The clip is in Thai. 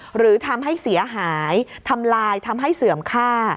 หรือทำให้เสียหายทำลายทำให้เสื่อมค่า